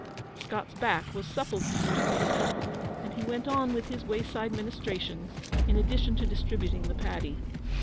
Scott's back was suppled to stooping now, and he went on with his wayside ministrations in addition to distributing the paddy.